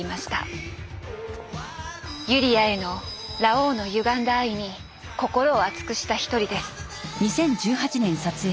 ユリアへのラオウのゆがんだ愛に心を熱くした一人です。